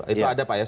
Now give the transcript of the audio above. itu ada pak ya